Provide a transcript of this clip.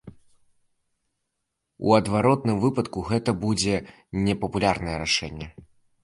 У адваротным выпадку, гэта будзе непапулярнае рашэнне.